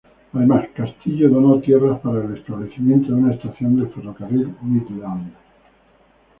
Además, Castillo donó tierras para el establecimiento de una estación del Ferrocarril Midland.